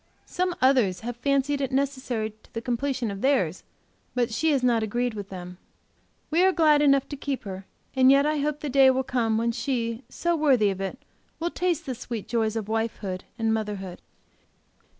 Some others have fancied it necessary to the completion of theirs, but she has not a greed with them. We are glad enough to keep her; and yet I hope the day will come when she, so worthy of it, will taste the sweet joys of wifehood and motherhood.